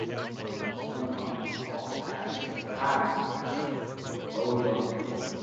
Some models also have a privacy curtain for the lower bunk.